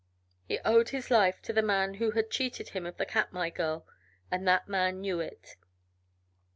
He owed his life to the man who had cheated him of the Katmai girl, and that man knew it.